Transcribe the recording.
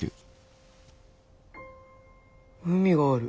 海がある。